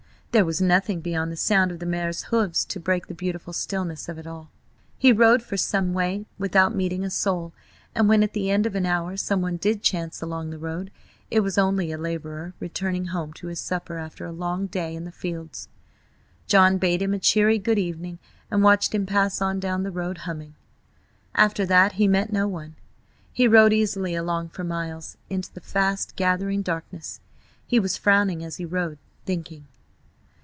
There was nothing beyond the sound of the mare's hoofs to break the beautiful stillness of it all. He rode for some way without meeting a soul, and when at the end of an hour someone did chance along the road it was only a labourer returning home to his supper after a long day in the fields. John bade him a cheery good evening and watched him pass on down the road humming. After that he met no one. He rode easily along for miles, into the fast gathering darkness He was frowning as he rode, thinking.